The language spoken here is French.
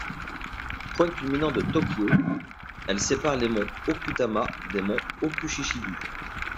Point culminant de Tōkyō, elle sépare les monts Okutama des monts Okuchichibu.